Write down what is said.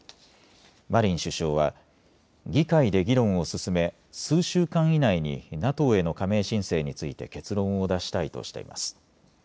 マリン首相は議会で議論を進め数週間以内にＮＡＴＯへの加盟申請について結論を出したいとしています。